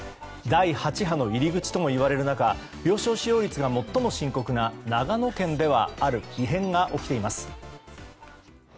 第８波の入り口ともいわれる中病床使用率が最も深刻な長野県ではある異変が起きています。